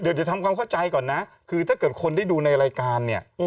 เดี๋ยวจะทำความเข้าใจก่อนนะคือถ้าเกิดคนได้ดูในรายการเนี่ย